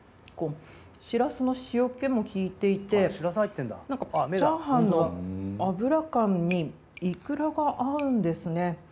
しらすの塩っけもきいていてチャーハンの油感にイクラが合うんですね。